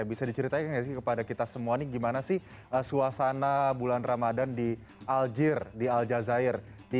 bisa diceritain nggak sih kepada kita semua nih gimana sih suasana bulan ramadan di al jir di al jazair